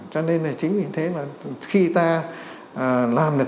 cho nên là chính vì thế mà khi ta làm được